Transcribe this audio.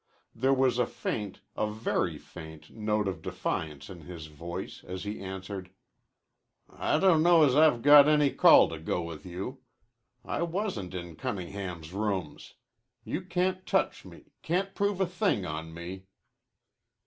There was a faint, a very faint, note of defiance in his voice as he answered. "I dunno as I've got any call to go with you. I wasn't in Cunningham's rooms. You can't touch me can't prove a thing on me."